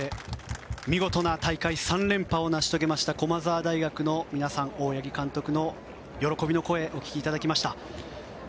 おめでとうございます。ということで見事な大会３連覇を成し遂げました駒澤大学の皆さん大八木監督の喜びの声をお聞きいただきました。